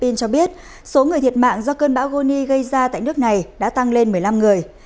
pin cho biết số người thiệt mạng do cơn bão goni gây ra tại nước này đã tăng lên một mươi năm người